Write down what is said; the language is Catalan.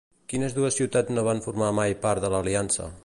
Quines dues ciutats no van formar mai part de l'aliança?